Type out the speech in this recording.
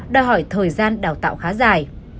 đòi hỏi thời gian đào tạo khá dài